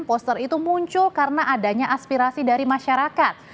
poster itu muncul karena adanya aspirasi dari masyarakat